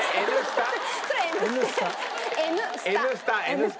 『Ｎスタ』！